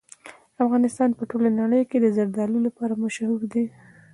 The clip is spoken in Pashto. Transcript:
افغانستان په ټوله نړۍ کې د زردالو لپاره مشهور دی.